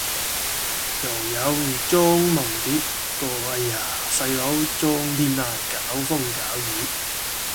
又有莊夢蝶個哎呀細佬莊天涯搞風搞雨